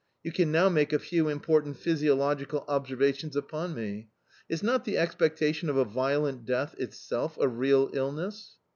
You can now make a few important physiological observations upon me... Is not the expectation of a violent death itself a real illness?"